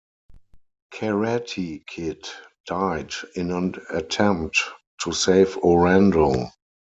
Karate Kid died in an attempt to save Orando.